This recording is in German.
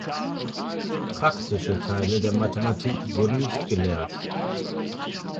Praktische Teile der Mathematik wurden nicht gelehrt.